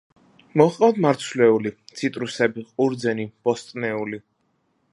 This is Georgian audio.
მოჰყავთ მარცვლეული, ციტრუსები, ყურძენი, ბოსტნეული.